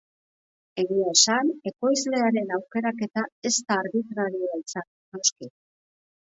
Egia esan, ekoizlearen aukeraketa ez da arbitrarioa izan, noski.